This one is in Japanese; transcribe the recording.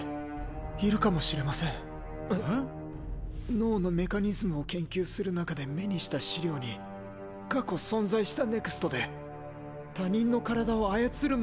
脳のメカニズムを研究する中で目にした資料に過去存在したＮＥＸＴで他人の体を操る者がいたとの記載がありました。